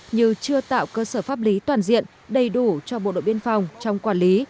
như chưa tạo cơ sở pháp lý toàn diện đầy đủ cho bộ đội biên phòng trong quản lý